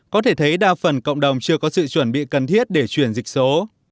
có thể thấy đa phần cộng đồng chưa có sự chuẩn bị cần thiết để chuyển dịch số